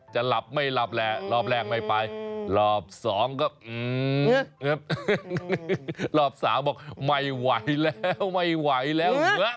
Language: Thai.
จะหลับไม่หลับแหละรอบแรงไม่ไปรอบสองก็อื้อ